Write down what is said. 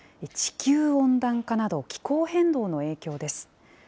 地球温暖化など、気候変動の影響です。